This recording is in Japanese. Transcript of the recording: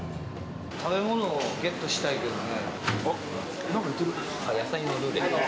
食べ物をゲットしたいけどね。